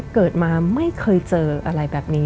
เกิดมาไม่เคยเจออะไรแบบนี้